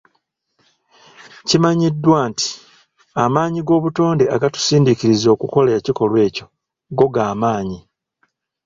Kimanyiddwa nti amaanyi g'obutonde agatusindiikiriza okukola ekikolwa ekyo go gamaanyi.